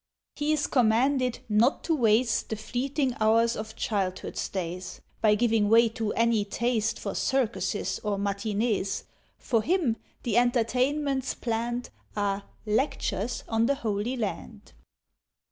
He is commanded not to waste The fleeting hours of childhood's days By giving way to any taste For circuses or matinées; For him the entertainments planned Are "Lectures on the Holy Land."